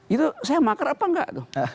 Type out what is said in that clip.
itu saya makar apa enggak tuh